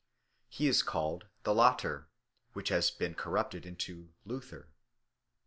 He is called the Lotter, which has been corrupted into Luther.